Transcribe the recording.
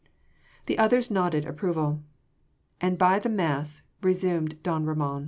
The others nodded approval "And by the Mass..." resumed don Ramon.